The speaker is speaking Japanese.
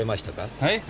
はい？